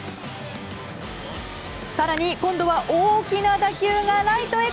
更に、今度は大きな打球がライトへ。